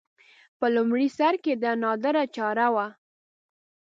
په لومړي سر کې دا نادره چاره وه